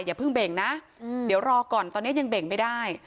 อย่าเพิ่งเบ่งนะเดี๋ยวรอก่อนตอนนี้ยังเบ่งไม่ได้